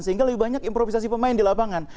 sehingga lebih banyak improvisasi pemain di lapangan